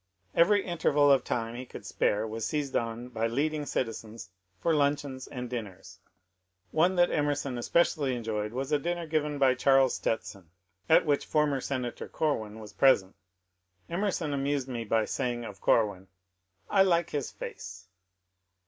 Every interval of time he could spare was seized on by leading citizens for luncheons and dinners. One that Emerson especially enjoyed was a dinner given by Charles Stetson, at which former Senator Corwin was present. Emer son amused me by saying of Corwin, ^^ I like his face."